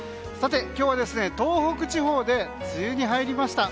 今日は東北地方で梅雨に入りました。